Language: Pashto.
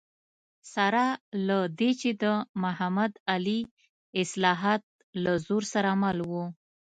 سره له دې چې د محمد علي اصلاحات له زور سره مل و.